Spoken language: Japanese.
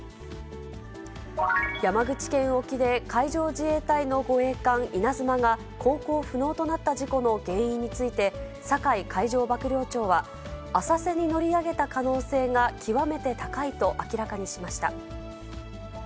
山口県沖で海上自衛隊の護衛艦いなづまが航行不能となった事故の原因について、酒井海上幕僚長は、浅瀬に乗り上げた可能性が極めて高いと明らかにしました。